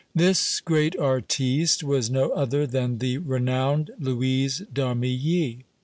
This great artiste was no other than the renowned Louise d'Armilly.